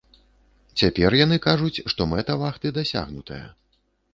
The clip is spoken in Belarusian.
Цяпер яны кажуць, што мэта вахты дасягнутая.